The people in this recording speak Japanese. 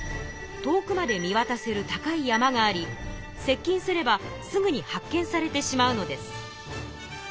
遠くまで見渡せる高い山があり接近すればすぐに発見されてしまうのです。